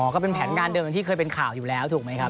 ก็เป็นแผนงานเดิมที่เคยเป็นข่าวอยู่แล้วถูกไหมครับ